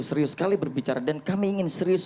serius sekali berbicara dan kami ingin serius